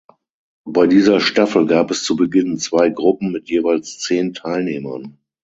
Bei dieser Staffel gab es zu Beginn zwei Gruppen mit jeweils zehn Teilnehmern.